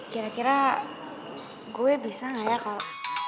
kira kira gue bisa gak ya kalau